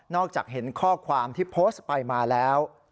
จากเห็นข้อความที่โพสต์ไปมาแล้ว